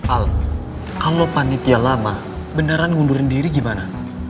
al kalo panitia lama beneran ngundurin diri gimana